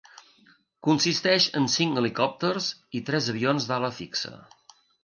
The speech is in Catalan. Consisteix en cinc helicòpters i tres avions d'ala fixa.